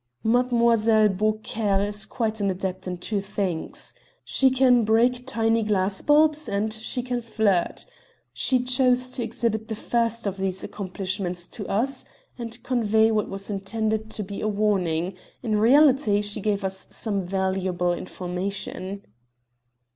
"Mademoiselle Beaucaire is quite an adept in two things: she can break tiny glass bulbs and she can flirt. She chose to exhibit the first of these accomplishments to us, and convey what was intended to be a warning; in reality, she gave us some valuable information."